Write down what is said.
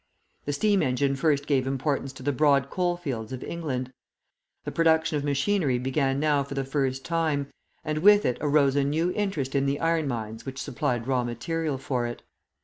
The steam engine first gave importance to the broad coal fields of England; the production of machinery began now for the first time, and with it arose a new interest in the iron mines which supplied raw material for it.